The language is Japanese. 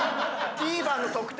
ＴＶｅｒのこと。